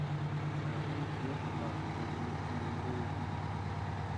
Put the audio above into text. Chaku nuku chida chimbaukuñ tochi nituñu ndoyo iña.